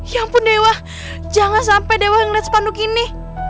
ya ampun dewa jangan sampai dewa ngeliat sepanduk ini